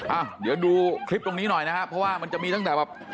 อ่ะเดี๋ยวดูคลิปตรงนี้หน่อยนะครับเพราะว่ามันจะมีตั้งแต่แบบ